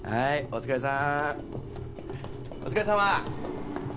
お疲れさま！